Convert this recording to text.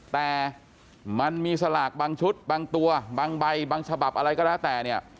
แต่มันมีสลากบางชุดบางตัวบางใบบางฉบับอะไรก็แล้วแต่เนี่ย